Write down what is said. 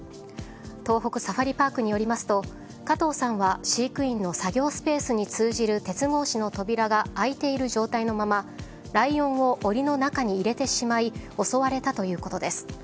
東北サファリパークによりますと加藤さんは飼育員の作業スペースに通じる鉄格子の扉が開いている状態のままライオンを檻の中に入れてしまい襲われたということです。